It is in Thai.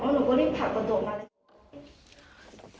แล้วหนูก็รีบถัดประโยชน์มาเลย